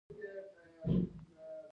په پښتو کې امبولانس ته ژغورګاډی وايي.